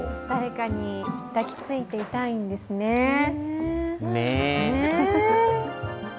誰かに抱きついていたいんですねぇ。